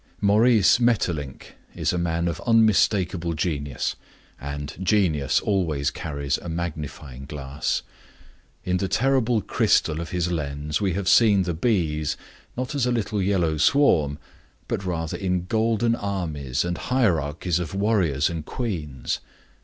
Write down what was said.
Maurice Maeterlinck is a man of unmistakable genius, and genius always carries a magnifying glass. In the terrible crystal of his lens we have seen the bees not as a little yellow swarm, but rather in golden armies and hierarchies of warriors and queens.